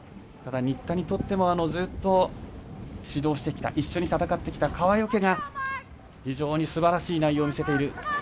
新田にとってもずっと指導してきた一緒に戦ってきた川除が非常にすばらしい内容を見せている。